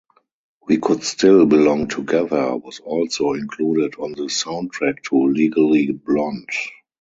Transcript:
"We Could Still Belong Together" was also included on the soundtrack to "Legally Blonde".